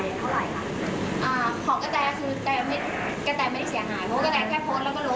ของกระแจคือกระแจไม่เสียหายเพราะกระแจแค่โพสต์แล้วก็ลง